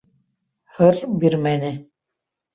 Һыр бирмәне.